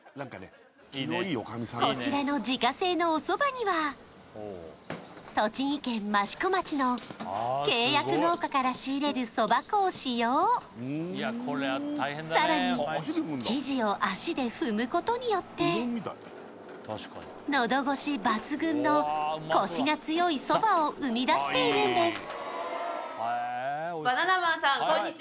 こちらの自家製のおそばには栃木県益子町の契約農家から仕入れるそば粉を使用さらに生地を足で踏むことによって喉越し抜群のコシが強いそばを生み出しているんです